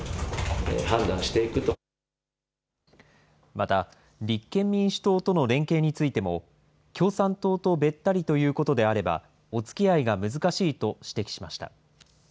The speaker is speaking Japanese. また、立憲民主党との連携についても、共産党とべったりということであれば、おつきあいが難しいと指摘しました。